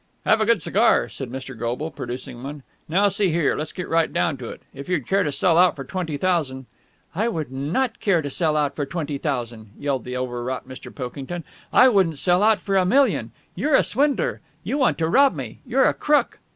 "Have a good cigar," said Mr. Goble, producing one. "Now, see here, let's get right down to it. If you'd care to sell out for twenty thousand...." "I would not care to sell out for twenty thousand!" yelled the overwrought Mr. Pilkington. "I wouldn't sell out for a million! You're a swindler! You want to rob me! You're a crook!"